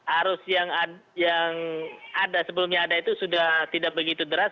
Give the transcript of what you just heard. arus yang ada sebelumnya ada itu sudah tidak begitu deras